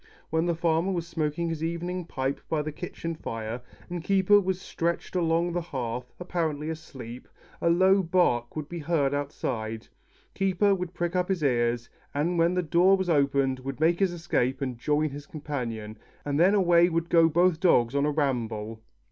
When the farmer was smoking his evening pipe by the kitchen fire, and Keeper was stretched along the hearth, apparently asleep, a low bark would be heard outside; Keeper would prick up his ears, and when the door was opened, would make his escape and join his companion, and then away would go both dogs on a ramble.